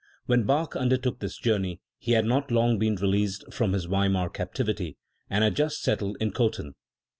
When Bach undertook this journey, he had not long been released from his Weimar captivity, and had just settled in Cothen.